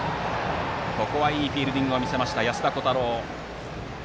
いいフィールディングを見せた安田虎汰郎。